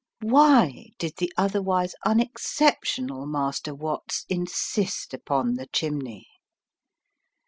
Why did the otherwise unexceptional Master Watts insist upon the chimney?